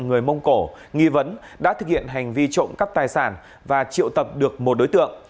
người mông cổ nghi vấn đã thực hiện hành vi trộm cắp tài sản và triệu tập được một đối tượng